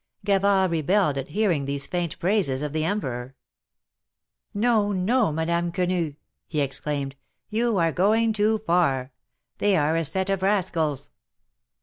Gavard rebelled at hearing these faint praises of the Emperor. " No, no, Madame Quenu !" he exclaimed. " You are going too far. Tliey are a set of rascals."